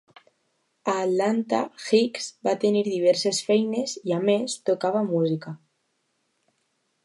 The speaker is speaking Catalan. A Atlanta, Hicks va tenir diverses feines i, a més, tocava música.